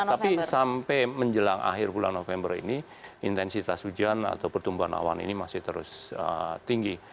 tapi sampai menjelang akhir bulan november ini intensitas hujan atau pertumbuhan awan ini masih terus tinggi